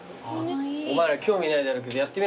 お前ら興味ないだろうけどやってみるか。